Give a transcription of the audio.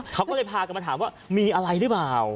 เขาก็เลยพากันมาถามว่ามีอะไรหรือเปล่า